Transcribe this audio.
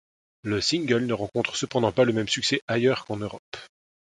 Le single ne rencontre cependant pas le même succès ailleurs qu'en Europe.